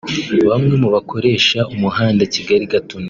Bamwe mu bakoresha umuhanda Kigali- Gatuna